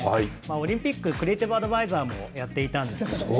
オリンピック、クリエイティブアドバイザーもやっていたんです。